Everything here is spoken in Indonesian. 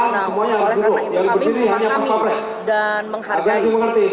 nah oleh karena itu kami memahami dan menghargai